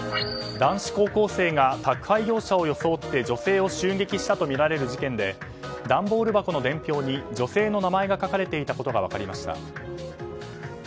男子高校生が宅配業者を装って女性を襲撃したとみられる事件で段ボール箱の伝票に女性の名前が書かれていたことが分かりました。